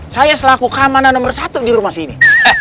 saya selaku kamana nomer satu di rumah sini